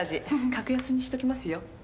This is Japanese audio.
格安にしときますよ。